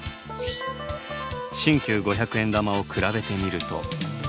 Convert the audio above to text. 新旧五百円玉を比べてみると。